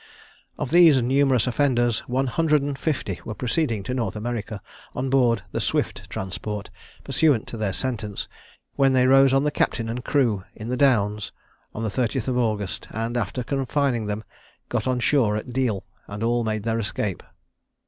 Of these numerous offenders, one hundred and fifty were proceeding to North America, on board the Swift transport, pursuant to their sentence, when they rose on the captain and crew, in the Downs, on the 30th of August, and, after confining them, got on shore at Deal, and all made their escape.